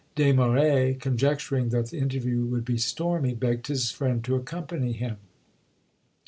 Desmaret, conjecturing that the interview would be stormy, begged his friend to accompany him.